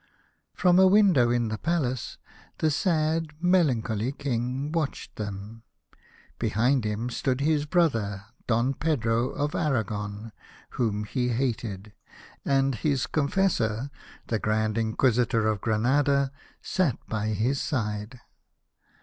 From a window in the palace the sad melancholy King watched them. Behind him stood his brother, Don Pedro of Aragon, whom he hated, and his confessor, the Grand Inquisitor of Granada, sat by his side.